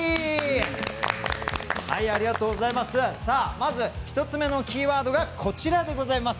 まず１つ目のキーワードがこちらでございます。